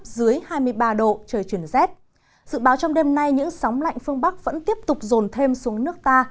dự báo trong đêm nay những sóng lạnh phương bắc vẫn tiếp tục rồn thêm xuống nước ta